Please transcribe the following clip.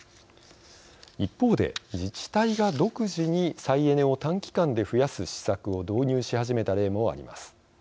一方で、自治体が独自に再エネを短期間で増やす施策を導入し始めた例もあります。